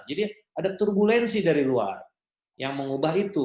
jadi ada turbulensi dari luar yang mengubah itu